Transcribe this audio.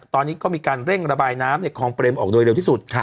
ตอนนี้ก็มีการเร่งระบายน้ำในคลองเปรมออกโดยเร็วที่สุด